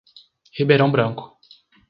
Ribeirão Branco